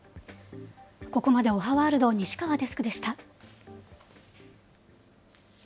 ここまでおはワールド、西河デスクでした。